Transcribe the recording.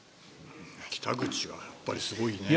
北口はやっぱりすごいね。